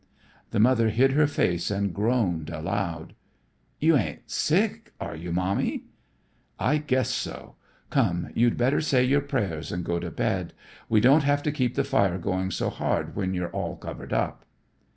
The mother hid her face and groaned aloud. "You ain't sick, are you, Mommy?" "I guess so. Come, you'd better say your prayers and go to bed. We don't have to keep the fire going so hard when you're all covered up."